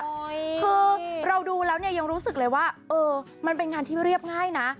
คือเราดูแล้วเนี่ยยังรู้สึกเลยว่าเออมันเป็นงานที่เรียบง่ายนะ